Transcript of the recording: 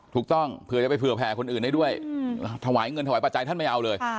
ถูกต้องเผื่อจะไปเผื่อแผ่คนอื่นได้ด้วยถวายเงินถวายปัจจัยท่านไม่เอาเลย